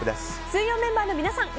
水曜メンバーの皆さん